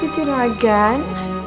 kecil banget kan